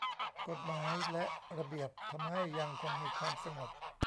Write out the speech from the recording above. กฎหมายและระเบียบทำให้ยังคงมีความสงบ